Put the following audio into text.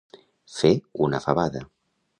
Fer una favada.